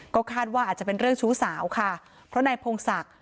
ก็คาดว่าอาจจะเป็นเรื่องชู้สาวค่ะเพราะนายพงศักดิ์